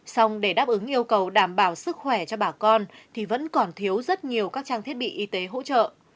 xong để đáp ứng yêu cầu đảm bảo sức khỏe cho bà con thì vẫn còn thiếu rất nhiều các trang thiết bị y tế hỗ trợ